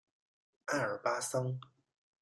爱尔巴桑。